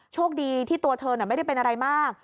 โชคดีที่ตัวเธอไม่ได้เป็นอะไรมาก